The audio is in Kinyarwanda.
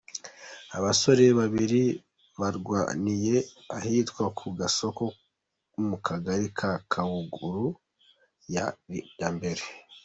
Abasore babiri barwaniye ahitwa ku Gasoko mu Kagari ka Kabuguru ya I.